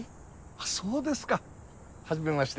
あっそうですかはじめまして。